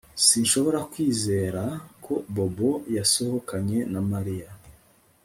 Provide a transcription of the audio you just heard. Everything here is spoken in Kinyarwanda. Sinshobora kwizera ko Bobo yasohokanye na Mariya